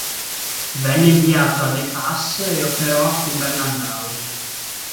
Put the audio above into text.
Venne inviato a The Pas e operò a Cumberland House.